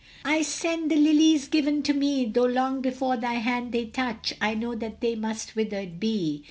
I send the lilies given to me; Though long before thy hand they touch, I know that they must withered be.